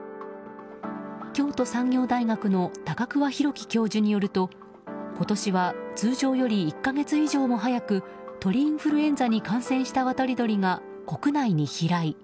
京都産業大学の高桑弘樹教授によると今年は通常より１か月以上も早く鳥インフルエンザに感染した渡り鳥が国内に飛来。